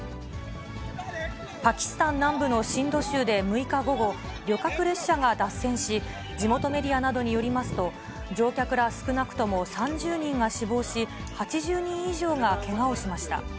パキスタン南部のシンド州で６日午後、旅客列車が脱線し、地元メディアなどによりますと、乗客ら少なくとも３０人が死亡し、８０人以上がけがをしました。